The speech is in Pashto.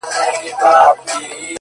په داسي خوب ویده دی چي راویښ به نه سي ـ